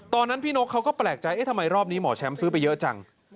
ตอนนั้นพี่นกเขาก็แปลกใจเอ๊ะทำไมรอบนี้หมอแชมป์ซื้อไปเยอะจัง